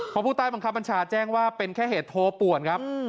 เพราะผู้ใต้บังคับบัญชาแจ้งว่าเป็นแค่เหตุโทรป่วนครับ